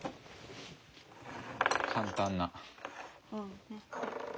簡単な。